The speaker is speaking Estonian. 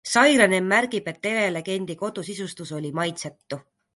Sairanen märgib, et telelegendi kodu sisustus oli maitsetu.